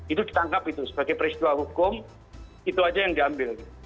itu ditangkap itu sebagai peristiwa hukum itu aja yang diambil